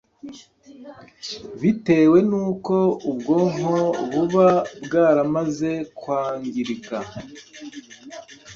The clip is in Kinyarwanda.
bitewe n’uko ubwonko buba bwaramaze kwangirika